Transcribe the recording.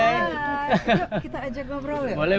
kita ajak ngobrol ya